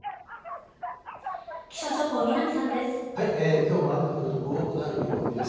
きょうも雨の降る所、多くなる見込みです。